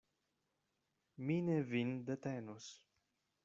Mi ne vin detenos.